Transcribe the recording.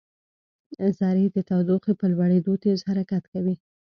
ذرې د تودوخې په لوړېدو تېز حرکت کوي.